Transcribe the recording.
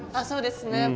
そうですね。